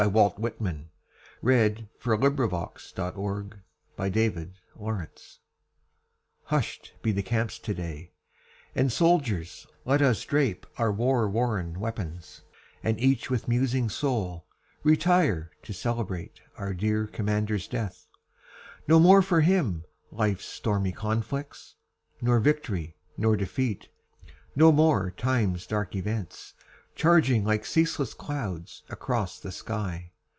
Walt Whitman (1865) Hush'd Be the Camps Today May 4, 1865 HUSH'D be the camps today, And soldiers let us drape our war worn weapons, And each with musing soul retire to celebrate, Our dear commander's death. No more for him life's stormy conflicts, Nor victory, nor defeat no more time's dark events, Charging like ceaseless clouds across the sky.